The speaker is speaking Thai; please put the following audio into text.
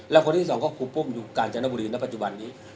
และคนที่สองก็ครูปุ้มอยู่กาญจนบุรีณปัจจุบันนี้